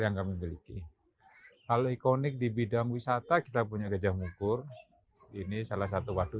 yang kami miliki kalau ikonik di bidang wisata kita punya gejah mukur ini salah satu waduk